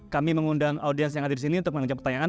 kami mengundang audiens yang ada di sini untuk menunjang pertanyaan